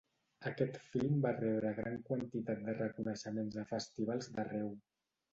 Aquest film va rebre gran quantitat de reconeixements a festivals d'arreu.